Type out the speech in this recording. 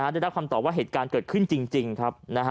ได้รับคำตอบว่าเหตุการณ์เกิดขึ้นจริงครับ